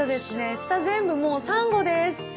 下、全部、もうサンゴです。